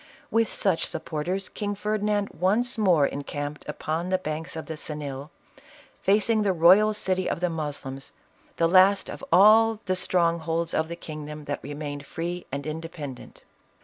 With such supporters, King Ferdi nand once more encamped upon the banks of Xenil, facing the royal city of the Moslems, the last of all the ISABELLA OF CASTILE. 113 strongholds of the kingdom that remained free and in dependent.